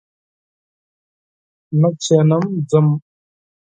نه کښېنم ځم!